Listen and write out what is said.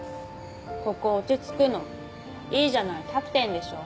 ここ落ち着くのいいじゃないキャプテンでしょ